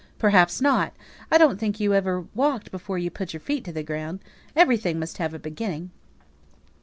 "Perhaps not. I don't think you ever walked before you put your feet to the ground. Everything must have a beginning."